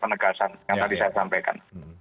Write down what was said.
penegasan yang tadi saya sampaikan